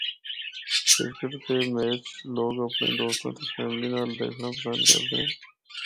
کرکٹ دے میچ لوگ اپنڑے دوستاں تے فیملی نال دیکھنڑا پسند کردے ہن۔